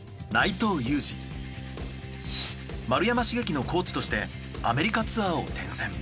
丸山茂樹のコーチとしてアメリカツアーを転戦。